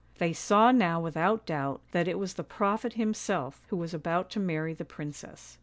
They saw now without doubt that it was the prophet himself, who was about to marry the princess.